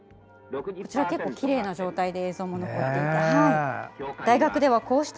結構きれいな状態で映像も残っていました。